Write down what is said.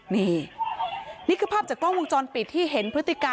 นี่นี่คือภาพจากกล้องวงจรปิดที่เห็นพฤติการ